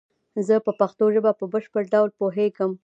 زه په پشتو ژبه په بشپړ ډول پوهیږم